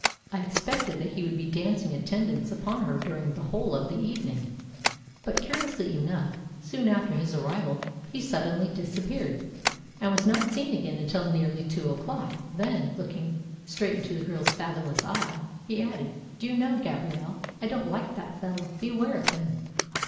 "I expected that he would be dancing attendance upon her during the whole of the evening; but, curiously enough, soon after his arrival he suddenly disappeared, and was not seen again until nearly two o'clock." Then, looking straight in the girl's fathomless eye, he added, "Do you know, Gabrielle, I don't like that fellow. Beware of him."